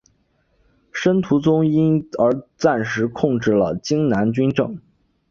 申屠琮因而暂时控制了荆南军政。